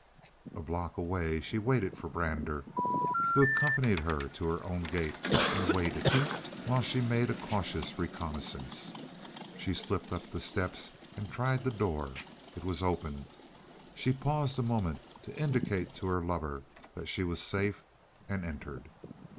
A block away she waited for Brander, who accompanied her to her own gate, and waited while she made a cautious reconnaissance. She slipped up the steps and tried the door. It was open. She paused a moment to indicate to her lover that she was safe, and entered.